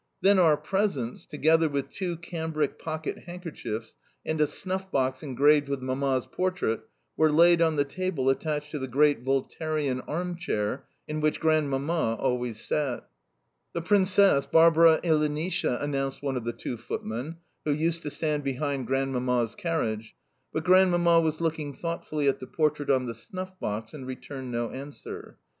Then our presents, together with two cambric pocket handkerchiefs and a snuff box engraved with Mamma's portrait, were laid on the table attached to the great Voltairian arm chair in which Grandmamma always sat. "The Princess Barbara Ilinitsha!" announced one of the two footmen who used to stand behind Grandmamma's carriage, but Grandmamma was looking thoughtfully at the portrait on the snuff box, and returned no answer.